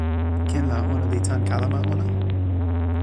ken la ona li tan kalama ona?